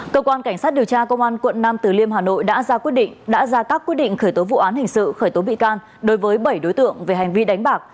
cơ quan cảnh sát điều tra công an quận năm từ liêm hà nội đã ra các quyết định khởi tố vụ án hình sự khởi tố bị can đối với bảy đối tượng về hành vi đánh bạc